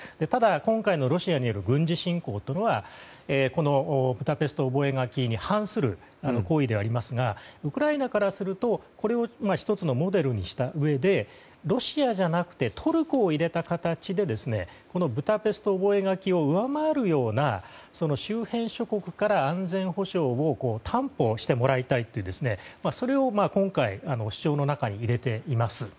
ただ、今回のロシアによる軍事侵攻はこのブダペスト覚書に反する行為ではありますがウクライナからするとこれを１つのモデルにしたうえでロシアじゃなくてトルコを入れた形でこのブダペスト覚書を上回るような周辺諸国から安全保障を担保をしてもらいたいというそれを、今回主張の中に入れています。